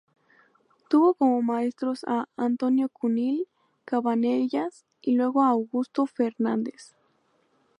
Tuvo como maestros a Antonio Cunill Cabanellas y luego a Augusto Fernandes.